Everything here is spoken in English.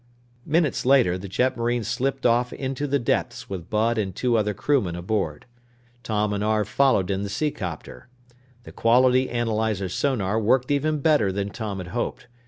Minutes later, the jetmarine slipped off into the depths with Bud and two other crewmen aboard. Tom and Arv followed in the seacopter. The quality analyzer sonar worked even better than Tom had hoped.